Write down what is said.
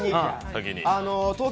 東京